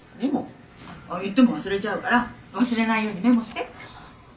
言っても忘れちゃうから忘れないようにメモしてって。